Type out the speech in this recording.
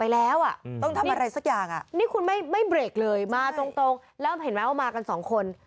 แล้วเห็นไหมว่ามากัน๒คน